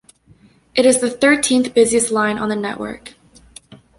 It is the thirteenth busiest line on the network.